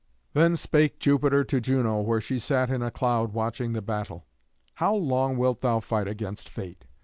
Then spake Jupiter to Juno, where she sat in a cloud watching the battle, "How long wilt thou fight against fate?